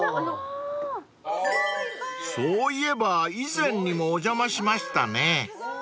［そういえば以前にもお邪魔しましたね］